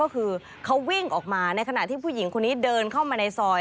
ก็คือเขาวิ่งออกมาในขณะที่ผู้หญิงคนนี้เดินเข้ามาในซอย